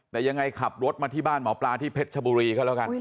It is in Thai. แต่ยังไงขับรถมาที่บ้านหมอปลาที่เพชรชบุรีก็แล้วกัน